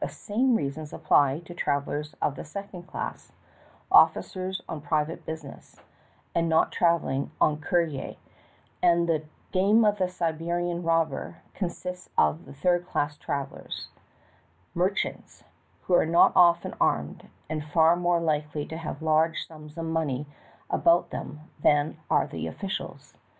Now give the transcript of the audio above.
The same reasons apply to travelers of the second class ; officers on private business, and not traveling en courrier, and the game of the Siberian robber consists of the third class travelers — mer chantvS — who are not often armed, and far more likel^^ to have large sums of money about them than are the officials.